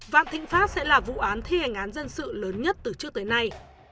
vạn thịnh pháp sẽ là vụ án thi hành án dân sự lớn nhất từ trước tới nay